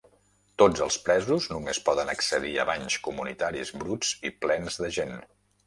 Tots els presos només poden accedir a banys comunitaris bruts i plens de gent.